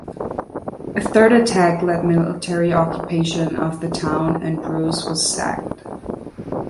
A third attack led military occupation of the town and Reus was sacked.